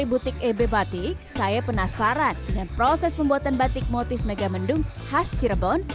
saya juga mencoba membuat batik yang sangat keren dengan proses pembuatan batik motif mega mendung khas cirebon